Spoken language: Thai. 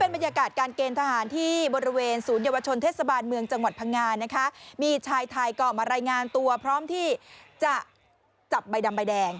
บริเวณศูนยวชนเทศบาลเมืองจังหวัดพังงานนะคะมีชายถ่ายเกาะมารายงานตัวพร้อมที่จะจับใบดำใบแดง